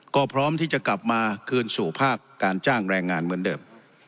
ก็พร้อมที่จะกลับมาคืนสู่ภาคการจ้างแรงงานเหมือนเดิม